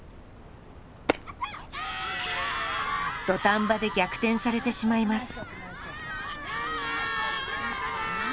土壇場で逆転されてしまいます。